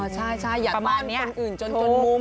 ใช่อย่าต้อนคนอื่นจนมุม